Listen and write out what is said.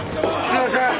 すいません。